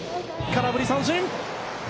空振り三振。